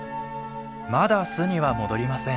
まだ巣には戻りません。